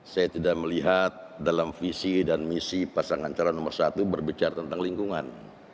saya tidak melihat dalam visi dan misi pasangan calon nomor satu berbicara tentang lingkungan